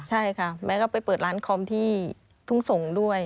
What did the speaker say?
ใช่ค่ะแม่ก็ไปเปิดร้านคอมที่ทุ่งสงศ์ด้วย